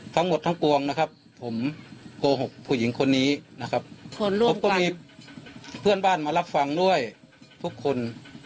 ทั้งหมดทั้งปวงนะครับผมโกหกผู้หญิงคนนี้นะครับผมก็มีเพื่อนบ้านมารับฟังด้วยทุกคน